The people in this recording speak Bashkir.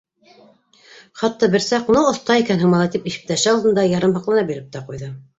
Хатта бер саҡ: «Ну, оҫта икәнһең, малай», — тип иптәше алдында ярамһаҡлана биреп тә ҡуйҙы.